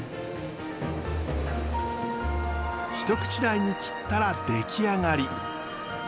一口大に切ったら出来上がり。